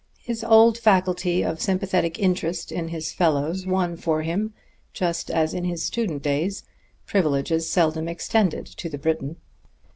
His old faculty of sympathetic interest in his fellows won for him, just as in his student days, privileges seldom extended to the Briton.